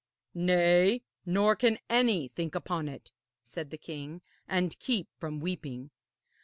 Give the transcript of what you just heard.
'Nay, nor can any think upon it,' said the king, 'and keep from weeping.'